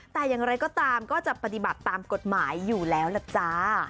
แต่อย่างไรก็ตามก็จะปฏิบัติตามกฎหมายอยู่แล้วล่ะจ้า